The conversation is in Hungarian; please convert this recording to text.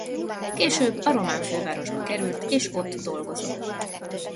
Később a román fővárosba került és ott dolgozott.